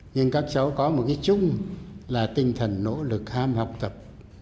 nhưng các cháu có một cái chung là tinh thần nỗ lực ham học tập